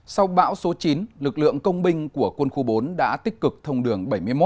sau bão số chín lực lượng công binh của quân khu bốn đã tích cực thông đường bảy mươi một